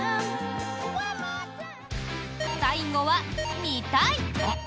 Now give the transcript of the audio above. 最後は「見たい」。